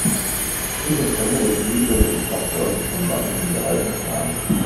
Im September wird Rüdiger mit ein paar Freunden zum Wandern in die Alpen fahren.